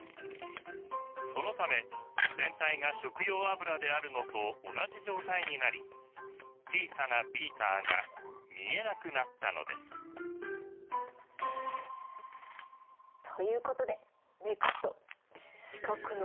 そのため全体が食用油であるのと同じ状態になり小さなビーカーが見えなくなったのです。ということでネクスト視覚の不思議マジック！